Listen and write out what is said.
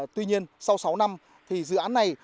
tuy nhiên sau sáu năm thì dự án này